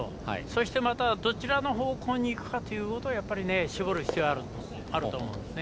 そして、どちらの方向に行くかということを絞る必要があると思います。